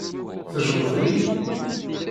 Tejjmeḍ-iyi?